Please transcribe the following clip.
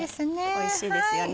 おいしいですよね。